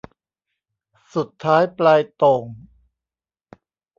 สุดท้ายปลายโต่ง